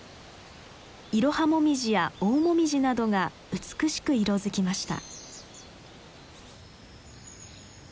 イロハモミジやオオモミジなどが美しく色づきました。